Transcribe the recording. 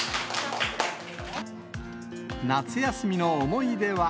夏休みの思い出は。